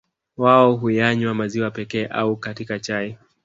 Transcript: Wao huyanywa maziwa pekee au katika chai